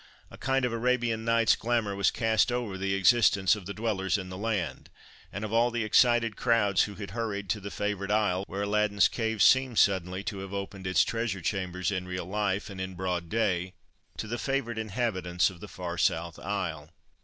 A kind of Arabian Nights' glamour was cast over the existence of the dwellers in the land, and of all the excited crowds who had hurried to the favoured isle, where Aladdin's Cave seemed suddenly to have opened its treasure chambers in real life and in broad day, to the favoured inhabitants of the Far South Isle.